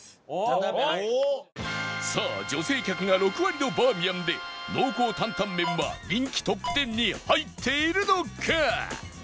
さあ女性客が６割のバーミヤンで濃厚担々麺は人気トップ１０に入っているのか？